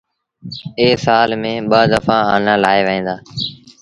اي سآل ميݩ ٻآ دڦآ آنآ لآوهيݩ دآ